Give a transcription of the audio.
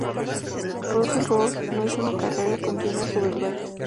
Russell Road no es una carretera continua sobre el valle.